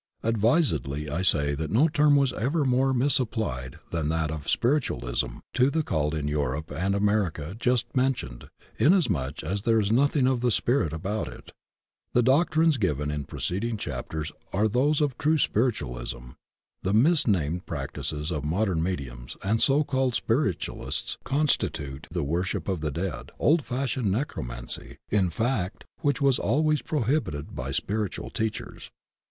Advisedly I say that no term was ever more misapplied than that of "spiritualism" to the cult in Europe and America just mentioned inasmuch as there is nothing of the spirit about it. The doctrines given in preceding chapters are tiiose of true spiritualism; the misnamed practices of modem mediums and so called spiritists constitute the Worship of the Dead, old fashioned necromancy, in fact, which was always prohibited by spiritual teachers.